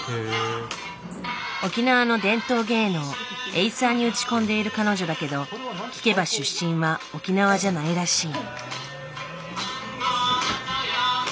沖縄の伝統芸能エイサーに打ち込んでいる彼女だけど聞けば出身は沖縄じゃないらしい。